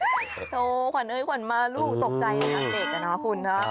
น้องบอกโธ่ขวัญเฮ้ยขวัญมาลูกตกใจเหมือนเด็กนะครับคุณ